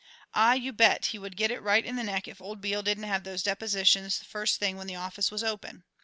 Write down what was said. Ah, you bet, he would get it right in the neck if old Beale didn't have those depositions the first thing when the office was open.